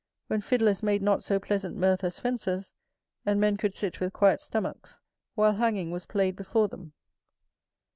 When fiddlers made not so pleasant mirth as fencers, and men could sit with quiet stomachs, while hanging was played before them.